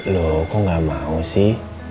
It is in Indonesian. loh kok nggak mau sih